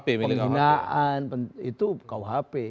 pembinaan itu kuhp